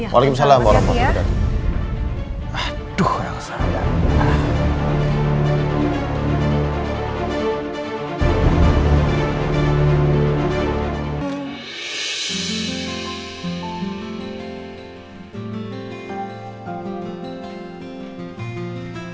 waalaikumsalam warahmatullahi wabarakatuh